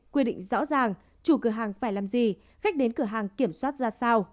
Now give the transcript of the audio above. quy định rõ ràng chủ cửa hàng phải làm gì khách đến cửa hàng kiểm soát ra sao